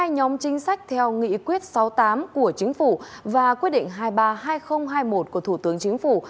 một mươi nhóm chính sách theo nghị quyết sáu mươi tám của chính phủ và quyết định hai trăm ba mươi hai nghìn hai mươi một của thủ tướng chính phủ